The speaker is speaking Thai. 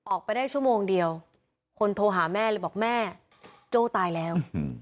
ออกไปได้ชั่วโมงเดียวคนโทรหาแม่เลยบอกแม่โจ้ตายแล้ว